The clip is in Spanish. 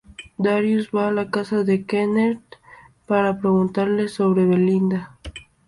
Darius va a la casa de Kenneth para preguntarle sobre Belinda.